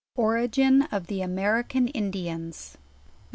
Origin of the American Indians.